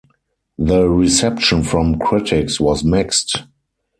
The reception from critics was mixed.